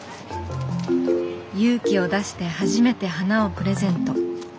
勇気を出して初めて花をプレゼント。